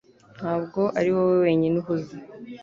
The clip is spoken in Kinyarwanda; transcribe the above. Ntabwo ari wowe wenyine uhuze